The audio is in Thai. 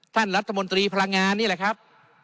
ท่านรัฐมนตรีพลังงานนี่แหละครับ